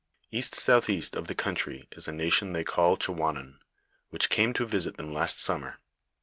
East south east of the country is a na tion they call Chawanon, which came to visit them last sum mer.